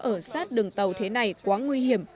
ở sát đường tàu thế này quá nguy hiểm